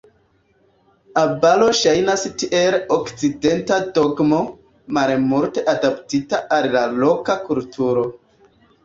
Abolo ŝajnas tiel okcidenta dogmo, malmulte adaptita al la loka kulturo.